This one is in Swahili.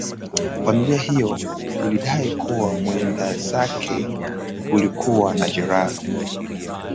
Familia hiyo ikidai kuwa mwili wa mwendazake ulikuwa na majeraha